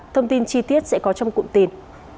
thông tin chi tiết sẽ có trong cụm tin